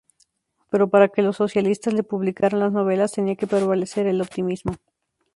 Pero para que los socialistas le publicaran las novelas tenía que prevalecer el optimismo.